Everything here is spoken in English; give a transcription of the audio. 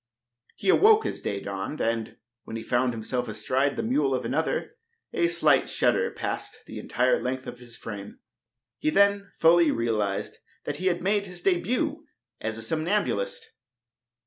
He awoke as day dawned, and, when he found himself astride the mule of another, a slight shudder passed the entire length of his frame. He then fully realized that he had made his debut as a somnambulist.